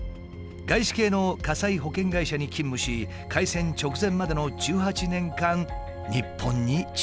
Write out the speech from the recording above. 外資系の火災保険会社に勤務し開戦直前までの１８年間日本に駐在していたという。